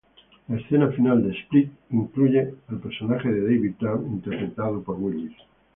La escena final de "Split" incluye al personaje de David Dunn, interpretado por Willis.